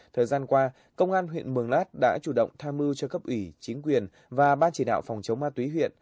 thời gian qua công an huyện mường lát đã chủ động tham mưu cho cấp ủy chính quyền và ban chỉ đạo phòng chống ma túy huyện